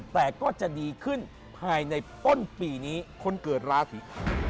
แต่ก็จะดีขึ้นภายในต้นปีนี้คนเกิดราศีธน